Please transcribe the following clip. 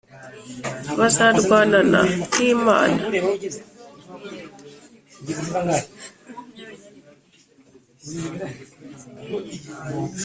Bazarwanana n`Imana